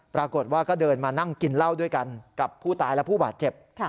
ปรากฏว่าก็เดินมานั่งกินเหล้าด้วยกันกับผู้ตายและผู้บาดเจ็บ